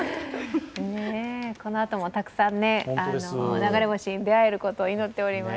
このあとも、たくさん流れ星に出会えることを祈っております。